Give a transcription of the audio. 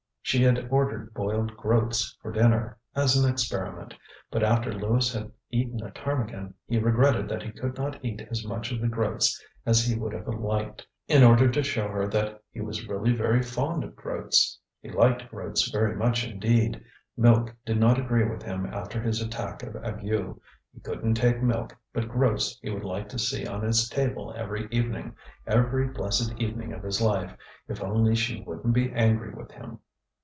She had ordered boiled groats for dinner, as an experiment. But after Lewis had eaten a ptarmigan, he regretted that he could not eat as much of the groats as he would have liked, in order to show her that he was really very fond of groats. He liked groats very much indeed milk did not agree with him after his attack of ague. He couldnŌĆÖt take milk, but groats he would like to see on his table every evening, every blessed evening of his life, if only she wouldnŌĆÖt be angry with him.